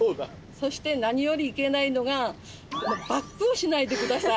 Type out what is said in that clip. そして何よりいけないのがバックをしないで下さい。